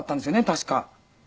確か。